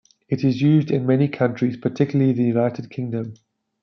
It is used in many countries, particularly the United Kingdom.